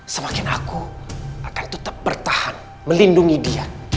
semakin aku akan tetap bertahan melindungi dia